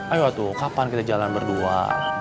ayo tuh kapan kita jalan berdua